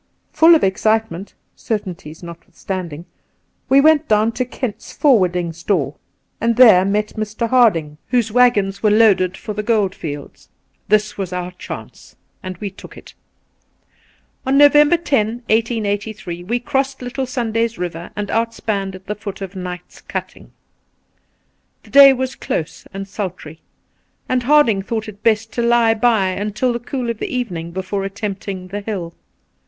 Full of excitement (certainties notwithstanding) we went down to Kent's Forwarding Store, and met there Mr. Harding, whose waggons were loaded 172 The Pool for the gold fields. This was our chance, and we took it. On November 10, 1883, we crossed Little Sunday's Eiver and outspanned at the foot of Knight's Cutting. The day was close and sultry, and Harding thought it best to lie by until the cool of the evening before attempting the hUl.